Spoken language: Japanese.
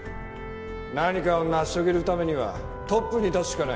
何かを成し遂げるためにはトップに立つしかない。